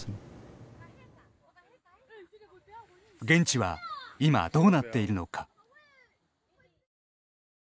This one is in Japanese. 現地は今どうなっているのか。